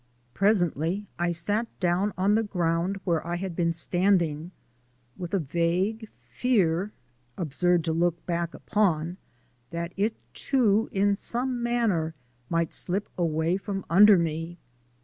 Presently I sat down on the ground where I had been standing, with a vague fear (absurd to look back upon) that it, too, in some manner might slip away from under me.